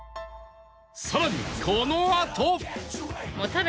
さらにこのあと